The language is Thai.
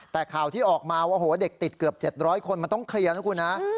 แต่ข่าวที่ออกมาว่าโอ้โหเด็กติดเกือบ๗๐๐คนมันต้องเคลียร์นะคุณฮะ